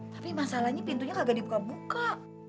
tapi masalahnya pintunya kagak dibuka buka